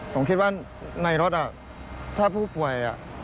ผมคิดว่าในรถถ้าผู้ป่วย